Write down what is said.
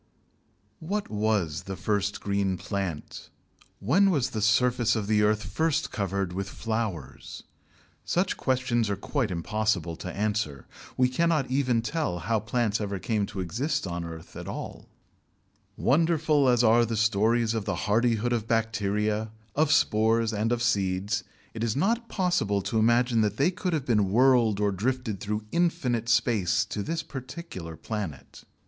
What was the first green plant? When was the surface of the earth first covered with flowers? Such questions are quite impossible to answer. We cannot even tell how plants ever came to exist on the earth at all. Wonderful as are the stories of the hardihood of bacteria, of spores, and of seeds, it is not possible to imagine that they could have been whirled or drifted through infinite space to this particular planet.